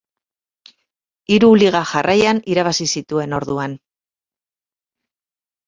Hiru Liga jarraian irabazi zituen orduan.